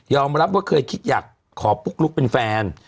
รับว่าเคยคิดอยากขอปุ๊กลุ๊กเป็นแฟน